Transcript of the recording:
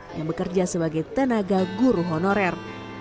yang bekerja sebagai tenaga guru honorer